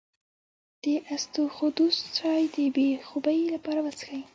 د اسطوخودوس چای د بې خوبۍ لپاره وڅښئ